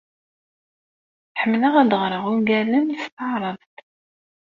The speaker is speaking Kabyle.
Ḥemmleɣ ad ɣreɣ ungalen s taɛṛabt.